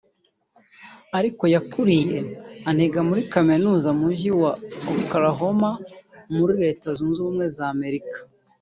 ariko yakuriye aniga muri kaminuza mujyi wa Oklahoma muri Leta Zunze Ubumwe za Amerika